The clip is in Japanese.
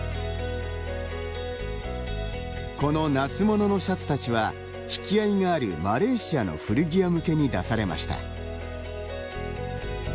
この夏物のシャツたちは引き合いがあるマレーシアの古着屋向けに出されました。